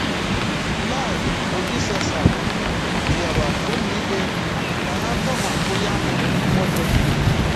Lai Obisesan rịọrọ ụlọikpe ka ha tọhapụ ya bụ nwoke